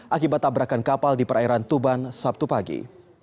akibat tabrakan kapal di perairan tuban sabtu pagi